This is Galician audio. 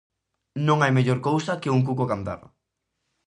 Non hai mellor cousa que un cuco a cantar.